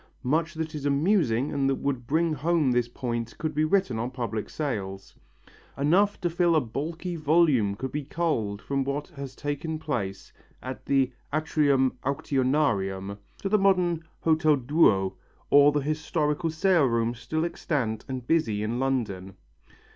Much that is amusing and that would bring home this point could be written on public sales. Enough to fill a bulky volume could be culled from what has taken place at the atrium auctionarium to the modern Hotel Drouot or the historical sale room still extant and busy in London.